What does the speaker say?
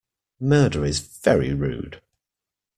Murder is very rude.